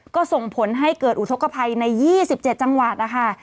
ก็ส่งผลให้เกิดอุทธกภัยใน๒๗จังหวัดนะคะ